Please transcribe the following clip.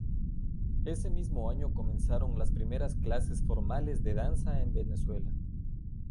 Ese mismo año comenzaron las primeras clases formales de danza en Venezuela.